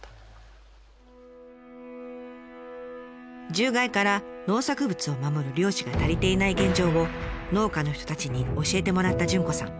獣害から農作物を守る猟師が足りていない現状を農家の人たちに教えてもらった潤子さん。